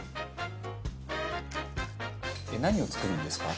何を作るんですか？